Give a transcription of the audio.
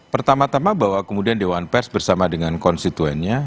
pertama tama bahwa kemudian dewan pers bersama dengan konstituennya